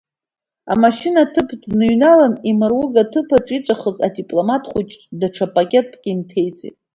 Амашьына ҭыԥ дныҩналан, имыруга ҭыԥ аҿы иҵәахыз адипломат хәыҷы даҽа пакетк инҭеиҵеит.